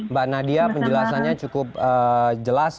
mbak nadia penjelasannya cukup jelas